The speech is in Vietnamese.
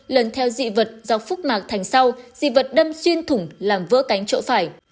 lần theo dị vật dọc phúc mạc thành sau dị vật đâm xuyên thủng làm vỡ cánh chỗ phải